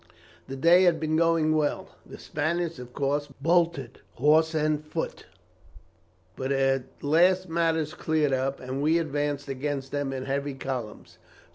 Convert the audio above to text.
The day had been going well. The Spaniards of course bolted, horse and foot. But at last matters cleared up, and we advanced against them in heavy columns.